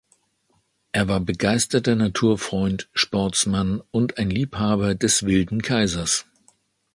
Er war begeisterter Naturfreund, Sportsmann und ein Liebhaber des Wilden Kaisers.